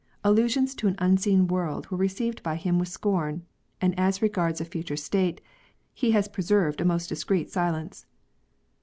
Allusions to an unseen world were received by him with scorn ; and as regards a future state, he has preserved a most discreet silence.